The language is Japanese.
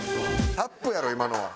タップやろ今のは。